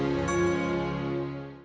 emang harus jadi marah